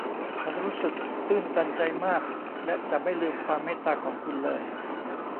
ฉันรู้สึกตื้นตันใจมากและจะไม่ลืมความเมตตาของคุณเลย